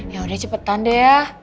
yaudah cepetan deh ya